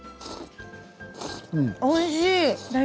おいしい。